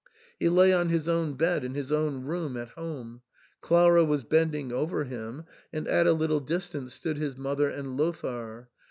He lay on his own bed in his own room at home ; Clara was bending over him, and at a little distance stood his mother and Lothair.